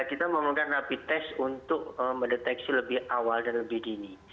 kita memerlukan rapid test untuk mendeteksi lebih awal dan lebih dini